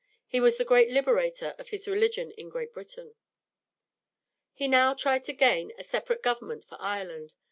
He was the great Liberator of his religion in Great Britain. He now tried to gain a separate government for Ireland.